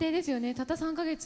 たった３か月。